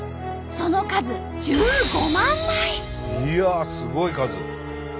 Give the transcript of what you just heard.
その数いやあすごい数！